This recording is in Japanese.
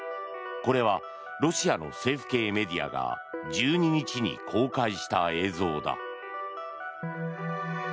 これはロシアの政府系メディアが１２日に公開した映像だ。